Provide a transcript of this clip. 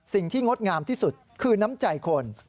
สิ่งที่งดงามที่สุดคือน้ำใจคน